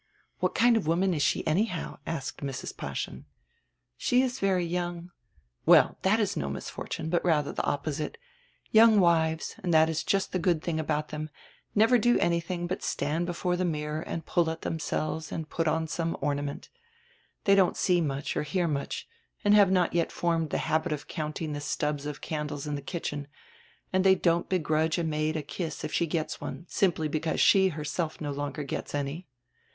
"What kind of a woman is she anyhow? "asked Mrs. Paaschen. "She is very young," "Well, diat is no misfortune, but radier die opposite. Young wives, and diat is just die good tiling about them, never do anything but stand before die mirror and pull at themselves and put on some ornament. They don't see much or hear much and have not yet formed the habit of counting the stubs of candles in die kitchen, and they don't begrudge a maid a kiss if she gets one, simply because she herself no longer gets any."